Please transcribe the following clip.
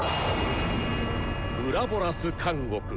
「ウラボラス監獄」。